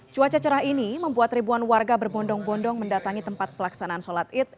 cuaca cerah ini membuat ribuan warga berbondong bondong mendatangi tempat pelaksanaan sholat id